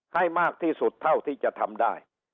ให้มากที่สุดเท่าที่จะทำได้